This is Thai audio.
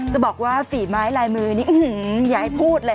จะบอกว่าฝีไม้ลายมือนี่อย่าให้พูดเลย